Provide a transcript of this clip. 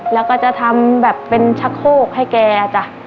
แล้วก็จะทำแบบเป็นชะโคกให้แกจ้ะ